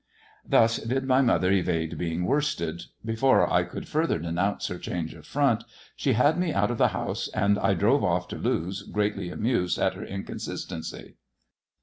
Thus did my mother evade being worsted. Before I could further denounce her change of front, she had me out of the house, and I drove off to Lewes greatly amused at her inconsistency.